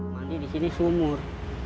mandi di sini sumur